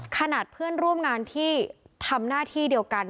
ขนาดเพื่อนร่วมงานที่ทำหน้าที่เดียวกัน